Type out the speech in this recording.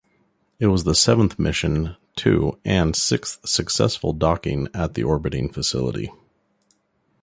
It was the seventh mission to and sixth successful docking at the orbiting facility.